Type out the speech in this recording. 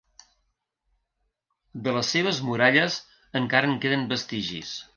De les seves muralles encara en queden vestigis.